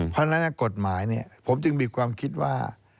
เพราะฉะนั้นกฎหมายผมจึงมีความคิดว่า